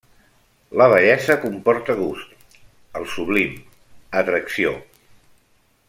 La bellesa comporta gust, el sublim, atracció.